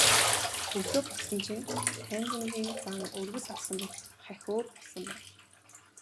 Өглөө болсон чинь Хайнзангийн зан өргөс авсан мэт хахь өөр болсон байв.